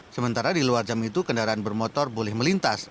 sementara di luar jam itu kendaraan bermotor boleh melintas